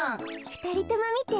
ふたりともみて！